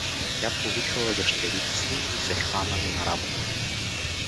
Тя повикала дъщерите си и се хванали на работа.